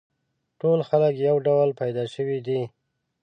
ټول خلک یو ډول پیدا شوي دي.